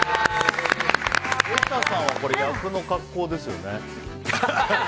瑛太さんは役の格好ですよね？